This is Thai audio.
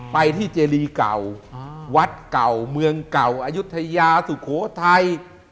ไปที่เจรีเก่าวัดเก่าเมืองเก่าอายุทยาสุโขทัย